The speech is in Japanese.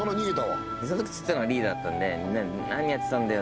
そのとき釣ってたのがリーダーだったんでみんなで何やってたんだよ？